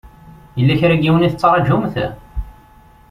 Yella kra n yiwen i tettṛajumt?